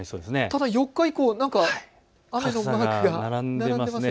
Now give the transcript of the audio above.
ただ４日以降、傘のマークが並んでいますね。